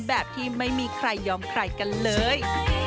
แบบที่ไม่มีใครยอมใครกันเลย